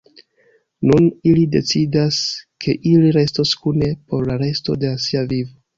Nun ili decidas, ke ili restos kune por la resto de sia vivo.